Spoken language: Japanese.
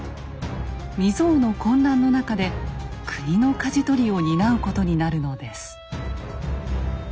未曽有の混乱の中で国のかじ取りを担うことになるのです。